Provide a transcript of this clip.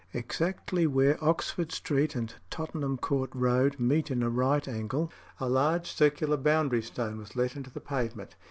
Exactly where Oxford Street and Tottenham Court Road meet in a right angle, a large circular boundary stone was let into the pavement.